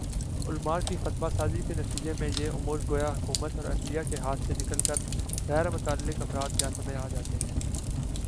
علما کی فتویٰ سازی کے نتیجے میںیہ امور گویا حکومت اورعدلیہ کے ہاتھ سے نکل کر غیر متعلق افراد کے ہاتھوں میں آجاتے ہیں